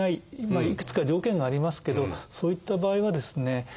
まあいくつか条件がありますけどそういった場合はですね